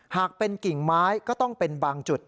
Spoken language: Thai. หากเป็นกิ่งไม้ก็ต้องเป็นบางจุด